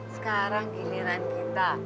sekarang giliran kita